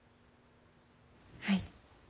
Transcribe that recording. はい。